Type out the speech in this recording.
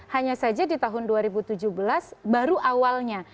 hanya saja di tahun dua ribu tujuh belas baru awalnya